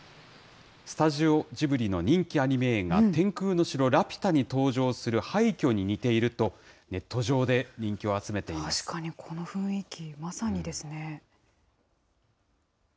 スタジオジブリの人気アニメ映画、天空の城ラピュタに登場する廃虚に似ていると、ネット上で人気を確かにこの雰囲気、まさにですね。